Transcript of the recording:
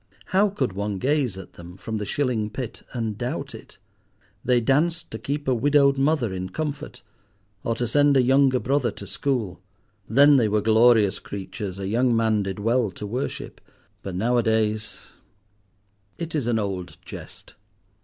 How could one gaze at them—from the shilling pit—and doubt it? They danced to keep a widowed mother in comfort, or to send a younger brother to school. Then they were glorious creatures a young man did well to worship; but now a days— It is an old jest.